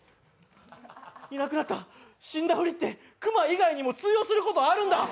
いなくなった、死んだふりって熊以外にも通用することあるんだ。